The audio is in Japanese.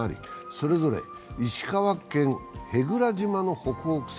それぞれ石川県舳倉島の北北西